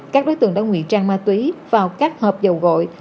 các đối tượng đã nguy trang ma túy vào các hộp dầu gội